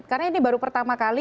karena ini baru pertama kali